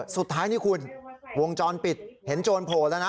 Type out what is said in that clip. สุดท้ายนี่คุณวงจรปิดเห็นโจรโผล่แล้วนะ